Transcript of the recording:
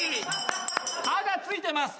歯がついてます